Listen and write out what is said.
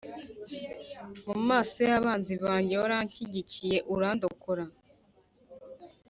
Mu maso y’abanzi banjye waranshyigikiye, urandokora.